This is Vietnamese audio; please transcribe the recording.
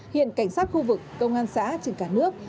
hiện cảnh sát khu vực công an xã trên cả nước